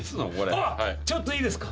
あっちょっといいですか？